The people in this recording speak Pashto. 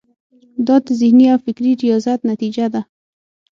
دا د ذهني او فکري ریاضت نتیجه ده.